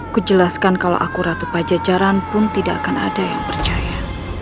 kujelaskan kalo aku ratu pajajaran pun tidak akan ada yang percaya